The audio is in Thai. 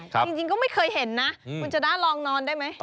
จริงก็ไม่เคยเห็นนะคุณจะได้ลองนอนได้ไหม